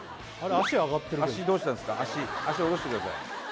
足足下ろしてください